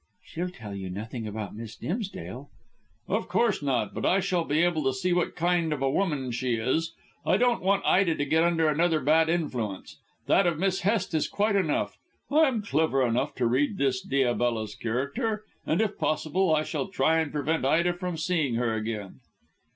"She'll tell you nothing about Miss Dimsdale." "Of course not. But I shall be able to see what kind of a woman she is. I don't want Ida to get under another bad influence. That of Miss Hest is quite enough. I am clever enough to read this Diabella's character, and if possible, I shall try and prevent Ida from seeing her again."